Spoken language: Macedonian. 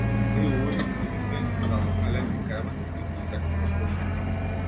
Ние убаво го примивме, му дадовме леб и кајмак и му исековме пршута.